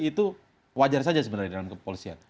itu wajar saja sebenarnya dalam kepolisian